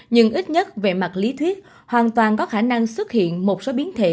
nhưng ít nhất về mặt lý thuyết hoàn toàn có khả năng xuất hiện một số biến thể